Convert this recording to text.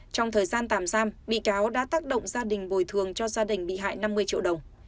trong thời gian tạm giam bị cáo đã tác động gia đình bồi thường cho gia đình bị hại năm mươi triệu đồng